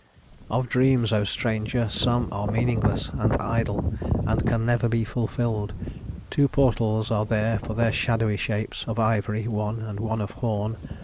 "Of dreams, O stranger, some are meaningless And idle, and can never be fulfilled. Two portals are there for their shadowy shapes, Of ivory one, and one of horn.